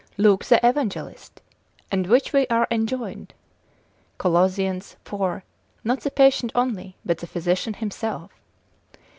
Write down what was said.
Luke the Evangelist: and which we are enjoined, Coloss. iv. not the patient only, but the physician himself.